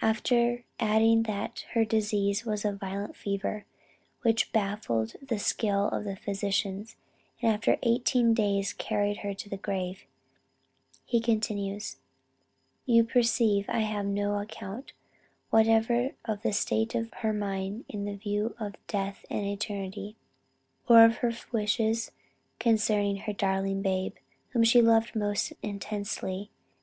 After adding that her disease was a violent fever, which baffled the skill of the physicians and after eighteen days carried her to the grave, he continues: "You perceive I have no account whatever of the state of her mind in view of death and eternity, or of her wishes concerning her darling babe, whom she loved most intensely.